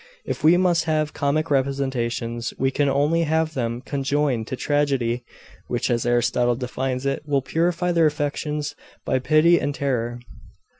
If we must have comic representations, we can only have them conjoined to tragedy, which, as Aristotle defines it, will purify their affections by pity and terror.